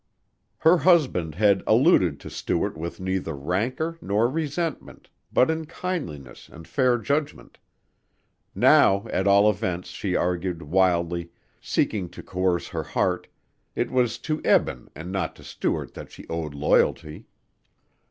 Her husband had alluded to Stuart with neither rancor nor resentment but in kindliness and fair judgment. Now, at all events, she argued wildly, seeking to coerce her heart, it was to Eben and not to Stuart that she owed loyalty.